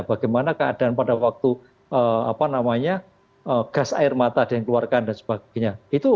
bagaimana keadaan pada waktu gas air mata ada yang dikeluarkan dan sebagainya